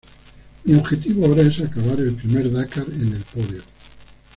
Mi objetivo ahora es acabar el primer Dakar en el podio.